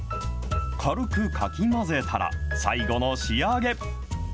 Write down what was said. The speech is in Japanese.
軽くかき混ぜたら、最後の仕上げ。